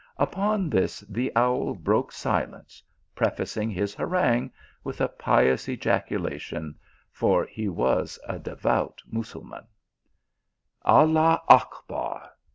" Upon this the owl broke silence prefacing his harangue with a pious ejaculation, for he was a devout Mussulman :" Allah Achbar